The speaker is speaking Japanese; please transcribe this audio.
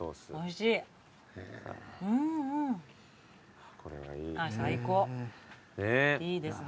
いいですね。